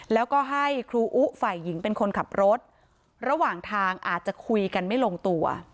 แล้วก็ให้ครูอุฝ่ายหญิงเป็นคนขับรถระหว่างทางอาจจะคุยกันไม่ลงตัว